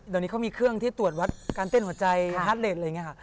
เดี๋ยวนี้เขามีเครื่องที่ตรวจวัดการเต้นหัวใจฮาร์เลสอะไรอย่างนี้ค่ะ